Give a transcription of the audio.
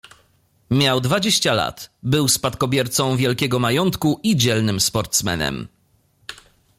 "Miał dwadzieścia lat, był spadkobiercą wielkiego majątku i dzielnym sportsmenem."